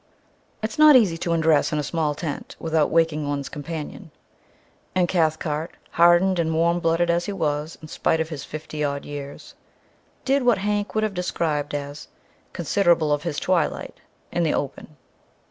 It is not easy to undress in a small tent without waking one's companion, and Cathcart, hardened and warm blooded as he was in spite of his fifty odd years, did what Hank would have described as "considerable of his twilight" in the open.